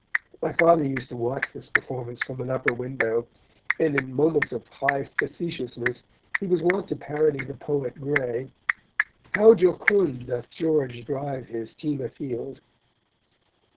My Father used to watch this performance from an upper window, and, in moments of high facetiousness, he was wont to parody the poet Gray: How jocund doth George drive his team afield!